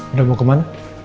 udah mau ke mana